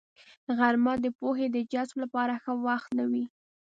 غرمه د پوهې د جذب لپاره ښه وخت نه وي